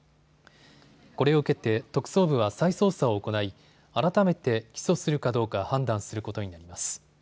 これを受けて特捜部は再捜査を行い改めて起訴するかどうか判断することになります。